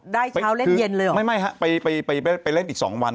ได้เช้าเล่นเย็นเลยเหรอคือไม่ไปเล่นอีก๒วัน